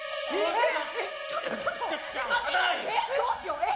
えっ！？